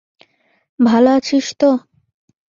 ভালো আছিস তো?